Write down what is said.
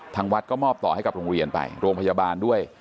ทางวัดก็มอบต่อให้กับโรงเรียนไปโรงพยาบาลด้วย